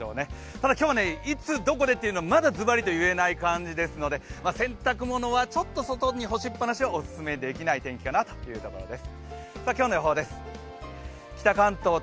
ただ、今日はいつ、どこでというのはまだずばりとは言えないので洗濯物はちょっと外に干しっぱなしはオススメできない天気かなというところです。